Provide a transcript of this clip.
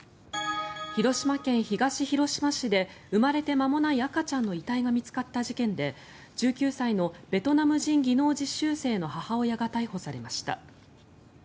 広島県東広島市で生まれて間もない赤ちゃんの遺体が見つかった事件で１９歳のベトナム人技能実習生の母親が逮捕されました。